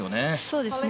そうですね。